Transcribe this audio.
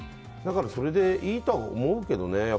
だからそれでいいとは思うけどね。